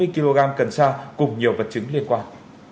chín trăm bốn mươi kg cần sa cùng nhiều vật chứng liên quan